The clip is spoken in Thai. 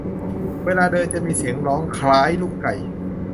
เวลาเดินจะมีเสียงร้องคล้ายลูกไก่